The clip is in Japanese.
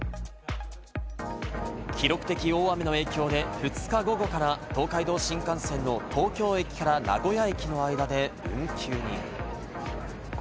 記録的大雨の影響で、２日午後から東海道新幹線の東京駅から名古屋駅の間で運休に。